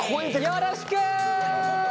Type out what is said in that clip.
よろしく！